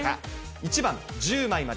１番、１０枚まで。